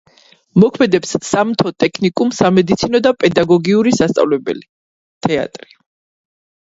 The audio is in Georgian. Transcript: მოქმედებს სამთო ტექნიკუმი, სამედიცინო და პედაგოგიური სასწავლებელი, თეატრი.